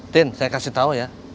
tin saya kasih tahu ya